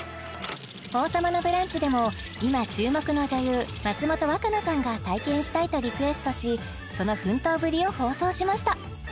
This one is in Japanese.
「王様のブランチ」でも今注目の女優松本若菜さんが体験したいとリクエストしその奮闘ぶりを放送しました